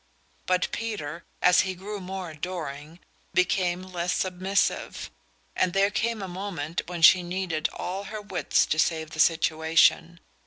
But Peter, as he grew more adoring, became less submissive; and there came a moment when she needed all her wits to save the situation.